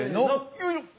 よいしょ。